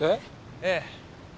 ええ。